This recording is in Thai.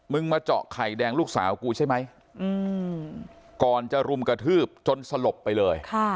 มาเจาะไข่แดงลูกสาวกูใช่ไหมก่อนจะรุมกระทืบจนสลบไปเลย